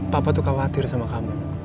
papa tuh khawatir sama kami